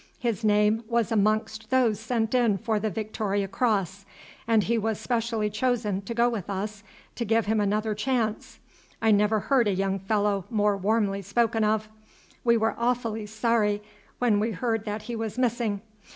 His name was amongst those sent in for the Victoria Cross, and he was specially chosen to go with us to give him another chance. I never heard a young fellow more warmly spoken of. We were awfully sorry when we heard that he was missing.